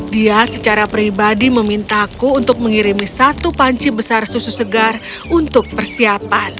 dia secara pribadi memintaku untuk mengirimi satu panci besar susu segar untuk persiapan